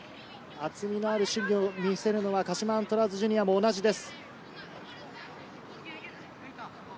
厚みのある守備を見せるのが鹿島アントラーズジュニアも同じです。